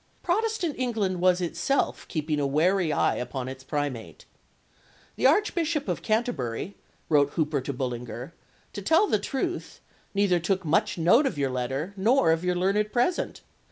Protestant England was itself keeping a wary eye upon its Primate. "The Archbishop of Canterbury," wrote Hooper to Bullinger, "to tell the truth, neither took much note of your letter nor of your learned present.